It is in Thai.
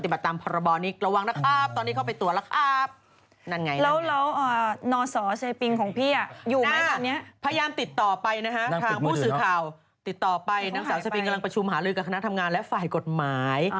ติดต่อไปนางสาวเซปิงกำลังประชุมหาเรื่องกับคณะทำงานและฝ่ายกฎหมาย